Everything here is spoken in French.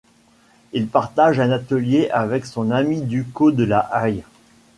Il partage un atelier avec son ami Ducos de la Haille.